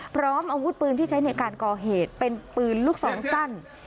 พร้อมอาวุธปืนที่ใช้ในการก่อเหตุเป็นปืนลูกสองสั้น